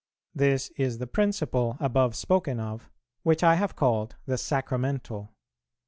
This is the principle, above spoken of, which I have called the Sacramental.